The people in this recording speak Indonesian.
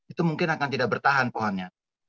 itu mungkin akan tidak bertahan pohonnya